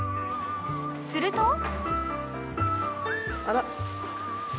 ［すると］